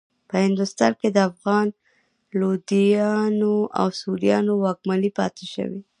په هندوستان کې د افغاني لودیانو او سوریانو واکمنۍ پاتې شوې.